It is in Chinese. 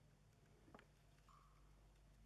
约珥书是旧约圣经中的一卷。